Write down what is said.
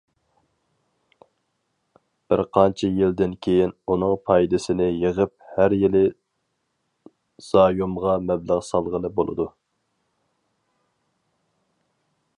بىرقانچە يىلدىن كېيىن، ئۇنىڭ پايدىسىنى يىغىپ، ھەر يىلى زايومغا مەبلەغ سالغىلى بولىدۇ.